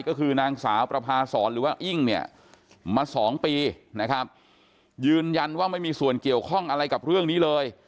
ก็คือนางสาวประพาศรหรือว่าอิ้งเนี่ยมาสองปีนะครับยืนยันว่าไม่มีส่วนเกี่ยวข้องอะไรกับเรื่องนี้เลย